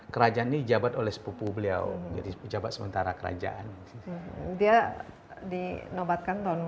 kerajaan ini jabat oleh sepupu beliau jadi pejabat sementara kerajaan dia dinobatkan tahun